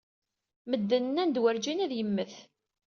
Medden nnan-d werjin ad yemmet.